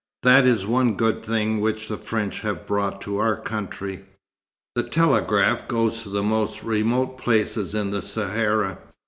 That is one good thing which the French have brought to our country. The telegraph goes to the most remote places in the Sahara.